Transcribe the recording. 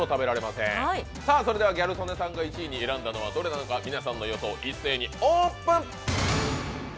ギャル曽根さんが１位に選んだのはどれなのか、皆さんの予想を一世にオープン。